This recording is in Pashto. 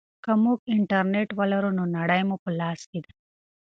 که موږ انټرنیټ ولرو نو نړۍ مو په لاس کې ده.